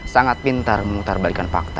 sangat pintar memutarbalikan fakta